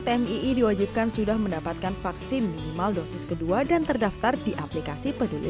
tmii diwajibkan sudah mendapatkan vaksin minimal dosis kedua dan terdaftar di aplikasi peduli